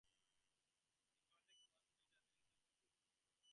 The concert was filmed and released on home video.